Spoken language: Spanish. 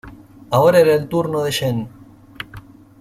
Ahora era el turno de Yen.